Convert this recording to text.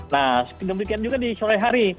nah demikian juga di sore hari